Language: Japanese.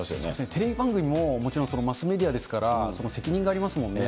テレビ番組ももちろんマスメディアですから、責任がありますもんね。